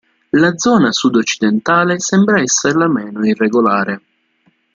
La zona sudoccidentale sembra essere la meno irregolare.